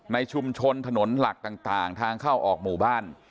ในชุมชนถนนหลักต่างทางเข้าออกหมู่บ้าน